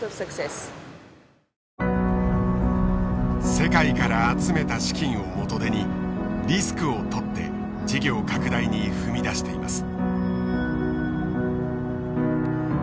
世界から集めた資金を元手にリスクをとって事業拡大に踏み出しています。